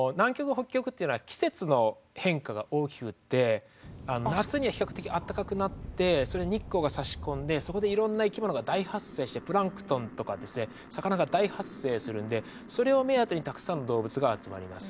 北極っていうのは季節の変化が大きくって夏には比較的暖かくなってそれに日光がさし込んでそこでいろんな生きものが大発生してプランクトンとかですね魚が大発生するんでそれを目当てにたくさんの動物が集まります。